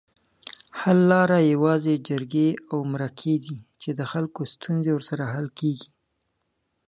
حل لاره یوازې جرګې اومرکي دي چي دخلګوستونزې ورسره حل کیږي